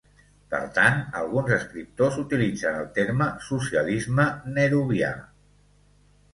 Per tant, alguns escriptors utilitzen el terme "socialisme nehruvià".